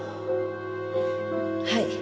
はい。